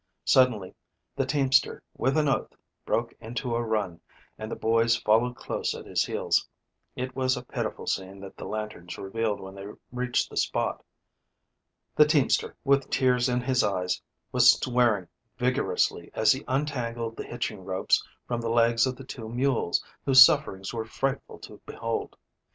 Suddenly the teamster with an oath broke into a run and the boys followed close at his heels. It was a pitiful scene that the lanterns revealed when they reached the spot. The teamster, with tears in his eyes, was swearing vigorously as he untangled the hitching ropes from the legs of the two mules whose sufferings were frightful to behold.